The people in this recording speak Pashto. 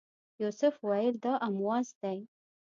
یوسف ویل دا امواس دی.